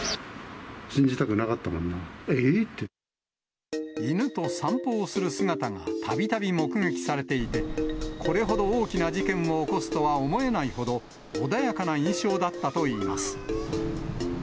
信じたくなかったもんな、犬と散歩をする姿がたびたび目撃されていて、これほど大きな事件を起こすとは思えないほど、穏やかな印象だったといいます。